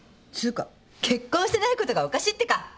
つうか結婚してないことがおかしいってか！？